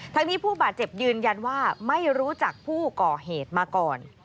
ทั้งนี้ผู้บาดเจ็บยืนยันว่าไม่รู้จักผู้ก่อเหตุมาก่อน